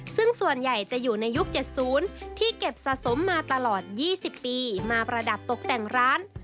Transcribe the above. ซึ่งส่วนใหญ่จะอยู่ในยุค๗๐ที่เก็บสะสมมาตลอด๒๐ปีมาประดับตกแต่งร้าน